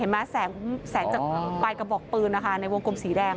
แสงจากปลายกระบอกปืนนะคะในวงกลมสีแดง